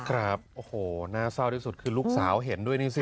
ครับโอ้โหน่าเศร้าที่สุดคือลูกสาวเห็นด้วยนี่สิ